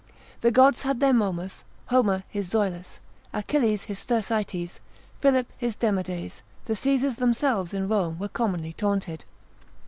The Gods had their Momus, Homer his Zoilus, Achilles his Thersites, Philip his Demades: the Caesars themselves in Rome were commonly taunted.